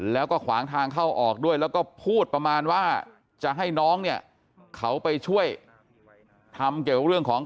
แล้วก็ขวางทางเข้าออกด้วยแล้วก็พูดประมาณว่าจะให้น้องเนี่ยเขาไปช่วยทำเกี่ยวกับเรื่องของ